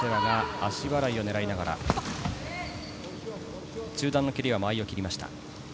カザフスタンは脚払いを狙いながら、中段の蹴りや間合いを切りました。